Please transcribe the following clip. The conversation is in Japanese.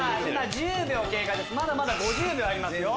１０秒経過ですまだ５０秒ありますよ。